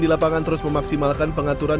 di lapangan terus memaksimalkan pengaturan